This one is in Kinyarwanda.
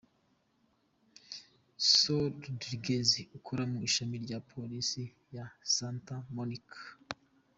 Saul Rodriguez ukora mu Ishami rya Polisi ya Santa Monica.